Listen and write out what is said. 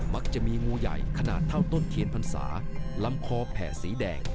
มักจะมีงูใหญ่ขนาดเท่าต้นเทียนพรรษาลำคอแผ่สีแดง